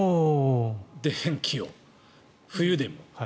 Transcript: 電気を冬でも。